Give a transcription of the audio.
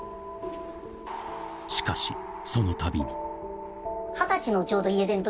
［しかしそのたびに］